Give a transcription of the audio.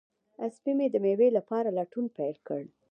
سپی مې د مېوې لپاره لټون پیل کړ.